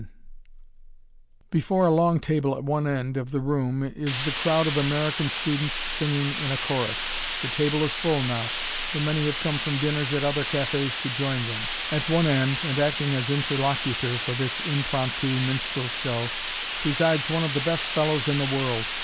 [Illustration: MOTHER AND DAUGHTER] Before a long table at one end of the room is the crowd of American students singing in a chorus. The table is full now, for many have come from dinners at other cafés to join them. At one end, and acting as interlocutor for this impromptu minstrel show, presides one of the best fellows in the world.